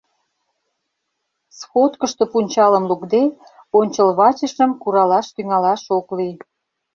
Сходкышто пунчалым лукде, ончылвачашым куралаш тӱҥалаш ок лий.